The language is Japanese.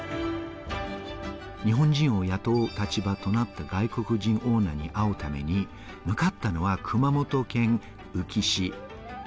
日本人を雇う立場となった外国人オーナー会うために向かったのは熊本県宇城市。